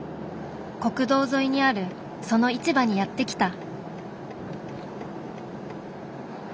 国道沿いにあるその市場にやって来た。